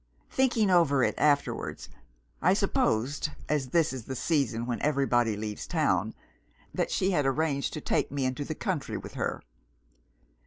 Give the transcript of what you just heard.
"Thinking over it afterwards, I supposed (as this is the season when everybody leaves town) that she had arranged to take me into the country with her.